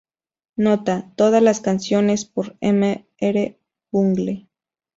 Nota: Todas las canciones por Mr.Bungle.